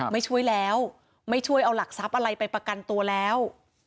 ไม่ช่วยแล้วไม่ช่วยเอาหลักทรัพย์อะไรไปประกันตัวแล้ว